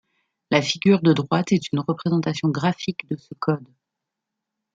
La figure de droite est une représentation graphique de ce code.